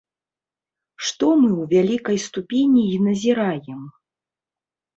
Што мы ў вялікай ступені і назіраем.